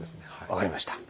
分かりました。